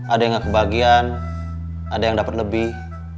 ada yang kebagian ada yang dapat lebih